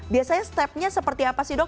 biasanya step nya seperti apa sih dok